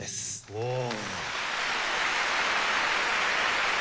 おお。